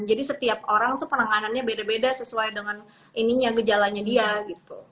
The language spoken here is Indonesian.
jadi setiap orang tuh penanganannya beda beda sesuai dengan ininya gejalanya dia gitu